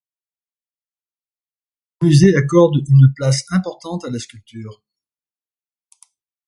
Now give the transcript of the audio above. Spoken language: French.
Le musée accorde une place importante à la sculpture.